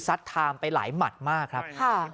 ซัดทามไปหลายหมัดมากครับ